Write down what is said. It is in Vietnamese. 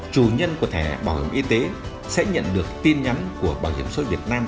chủ nhân của thẻ bảo hiểm y tế sẽ nhận được tin nhắn của bảo hiểm số việt nam